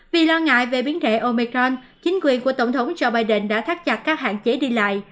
vì lo ngại về biến thể omecron chính quyền của tổng thống joe biden đã thắt chặt các hạn chế đi lại